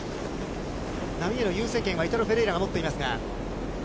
波への優先権はイタロ・フェレイラが持っていますが。